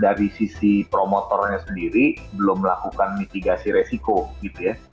dari sisi promotornya sendiri belum melakukan mitigasi resiko gitu ya